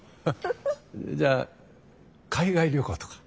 じゃあ海外旅行とか？